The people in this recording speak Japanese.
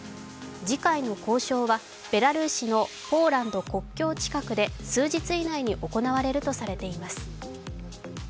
次回の交渉はベラルーシのポーランド国境近くで数日以内に行われるとされています。